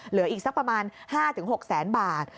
เหลืออีกสักประมาณ๕๖แสนบาท